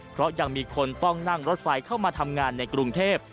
เพราะยังมีคนต้องนั่งรถไฟเข้ามาทำงานในกรุงเทพ